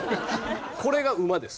これが馬です。